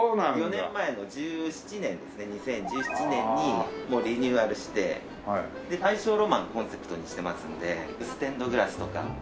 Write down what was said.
４年前の２０１７年ですね２０１７年にリニューアルして大正ロマンをコンセプトにしてますんでステンドグラスとか。